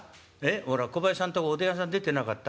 「ほら小林さんとこおでん屋さん出てなかった？」。